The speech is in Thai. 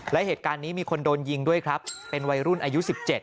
และเหตุการณ์นี้มีคนโดนยิงด้วยครับเป็นวัยรุ่นอายุ๑๗